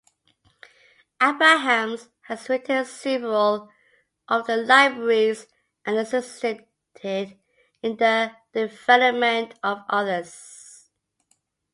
Abrahams has written several of the libraries and assisted in the development of others.